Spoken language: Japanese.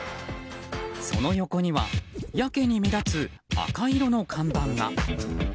その横にはやけに目立つ赤色の看板が。